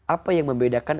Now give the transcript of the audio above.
apa yang membedakan